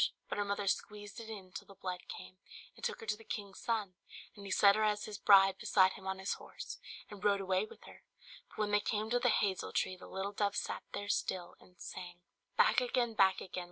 But her mother squeezed it in till the blood came, and took her to the king's son; and he set her as his bride beside him on his horse, and rode away with her. But when they came to the hazel tree the little dove sat there still, and sang "Back again! back again!